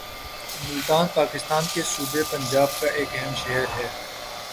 ملتان پاکستان کے صوبہ پنجاب کا ایک اہم شہر ہے